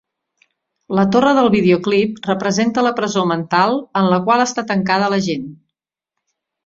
La torre del videoclip representa la presó mental en la qual està tancada la gent.